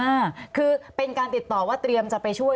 อ่าคือเป็นการติดต่อว่าเตรียมจะไปช่วย